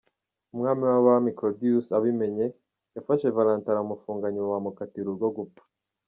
Umwami w’abami Claudius abimenye ,yafashe Valentin aramufunga nyuma bamukatira urwo gupfa .